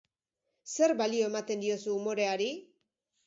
Zer balio ematen diozu umoreari?